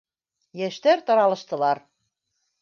Йәштәр таралыштылар.